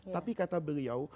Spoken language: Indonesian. tapi kata beliau